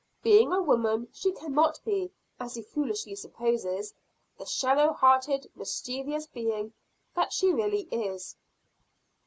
Being a woman, she cannot be, as he foolishly supposes, the shallow hearted, mischievous being that she really is.